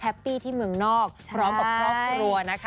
ปี้ที่เมืองนอกพร้อมกับครอบครัวนะคะ